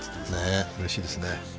え嬉しいですね